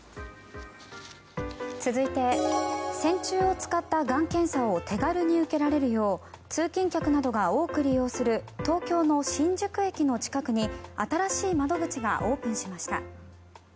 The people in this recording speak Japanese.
続いて線虫を使ったがん検査を手軽に受けられるよう通勤客が多く利用する東京の新宿駅の近くに新しい窓口がオープンしました。